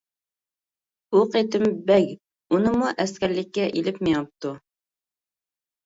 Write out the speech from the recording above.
بۇ قېتىم بەگ ئۇنىمۇ ئەسكەرلىككە ئېلىپ مېڭىپتۇ.